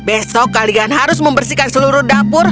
esok kamu harus membersihkan semua hal di dapur